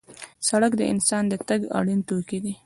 سړک د انسان د تګ اړین توکی دی.